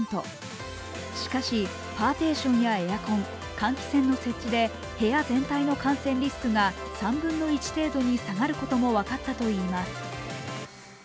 しかしパーテーションやエアコン、換気扇の設置で部屋全体の感染リスクが３分の１程度に下がることも分かったといいます。